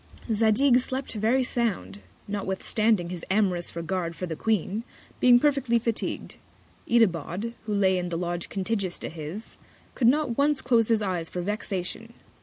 Zadig slept very sound, notwithstanding his amorous Regard for the Queen, being perfectly fatigu'd. Itabod, who lay in the Lodge contiguous to his, could not once close his Eyes for Vexation.